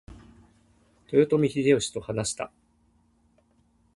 豊臣秀吉と話した。